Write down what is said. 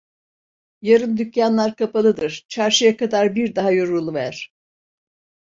Yarın dükkânlar kapalıdır, çarşıya kadar bir daha yoruluver!